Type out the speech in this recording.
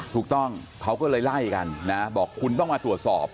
ถูกต้องเขาก็เลยไล่กันนะบอกคุณต้องมาตรวจสอบ